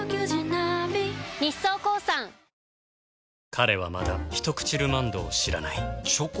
彼はまだ「ひとくちルマンド」を知らないチョコ？